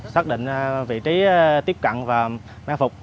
xác định vị trí tiếp cận và mang phục